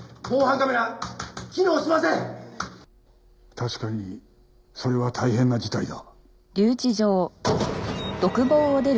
確かにそれは大変な事態だ。